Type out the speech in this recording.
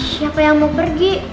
siapa yang mau pergi